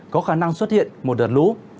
có khả năng xuất hiện một đợt lũ